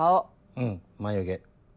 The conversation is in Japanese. うん眉毛。